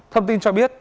thông tin cho biết